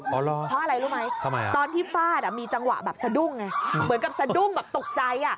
เพราะอะไรรู้ไหมตอนที่ฟาดมีจังหวะแบบสะดุ้งไงเหมือนกับสะดุ้งแบบตกใจ